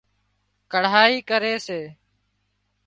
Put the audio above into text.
ڪڙهائي ڪري سي